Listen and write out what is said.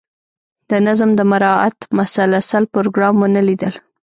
د نظم د مراعات مسلسل پروګرام ونه لیدل.